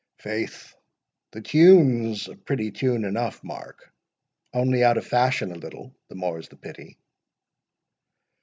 "Faith, the tune's a pretty tune enough, Mark, only out of fashion a little—the more's the pity."